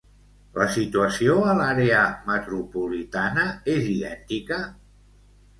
La situació a l'àrea metropolitana és idèntica?